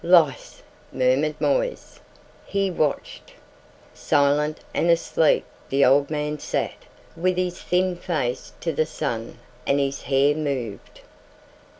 "Lice," murmured Moisse. He watched. Silent and asleep the old man sat with his thin face to the sun and his hair moved.